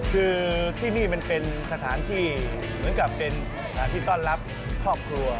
คือที่นี่มันเป็นสถานที่เหมือนกับเป็นที่ต้อนรับครอบครัว